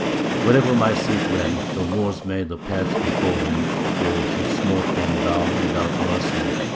Wherever my Cid went, the Moors made a path before him, for he smote them down without mercy.